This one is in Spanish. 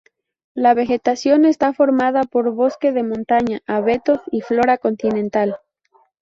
La vegetación está formada por bosque de montaña, abetos y flora continental.